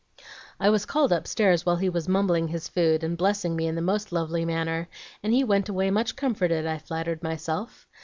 "I was called upstairs while he was mumbling his food, and blessing me in the most lovely manner; and he went away much comforted, I flattered myself.